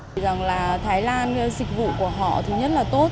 thì rằng là thái lan dịch vụ của họ thứ nhất là tốt